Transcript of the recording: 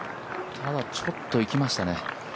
ただちょっといきましたね。